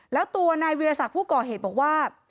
แล้วตัวนายวิรสักผู้ก่อเหตุบอกว่า